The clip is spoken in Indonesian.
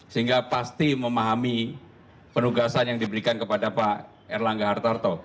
sehingga pasti memahami penugasan yang diberikan kepada pak erlangga hartarto